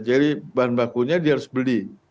jadi bahan bakunya dia harus beli